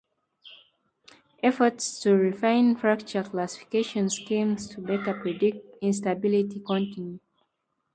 Efforts to refine fracture classification schemes to better predict instability continue.